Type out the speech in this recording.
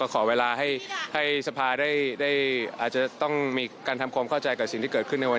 สะพาจะถามว่ามีข้อใจกับสิ่งมันขึ้นพอมาก